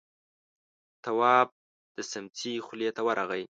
تواب د سمڅې خولې ته ورغی.